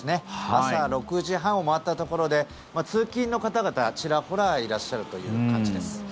朝６時半を回ったところで通勤の方々がちらほらいらっしゃるという感じです。